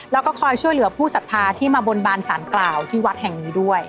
แล้วก็คอยช่วยเหลือผู้ศรัทธาที่มาบนบานสารกล่าวที่วัดแห่งนี้ด้วย